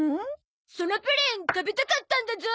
そのプリン食べたかったんだゾ。